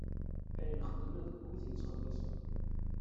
Ayen xeddmen d nekkni i t-yettxellisen.